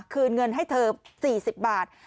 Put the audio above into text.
คืนเงินให้เธอ๔๐บาท